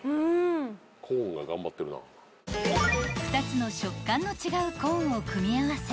［２つの食感の違うコーンを組み合わせ